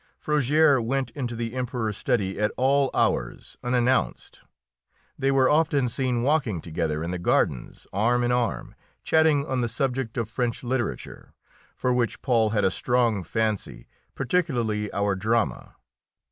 Frogères went into the Emperor's study at all hours unannounced; they were often seen walking together in the gardens arm in arm, chatting on the subject of French literature, for which Paul had a strong fancy, particularly our drama.